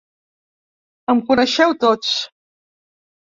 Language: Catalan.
Em coneixeu tots!